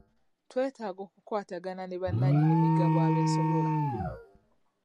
Twetaaga okukwatagana ne bananyini migabo abeesobola.